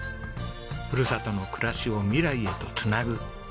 ふるさとの暮らしを未来へと繋ぐ。